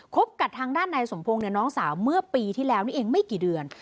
กับทางด้านนายสมพงศ์น้องสาวเมื่อปีที่แล้วนี่เองไม่กี่เดือน